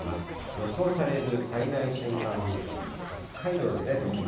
予想される最大瞬間風速、北海道ですね、特に。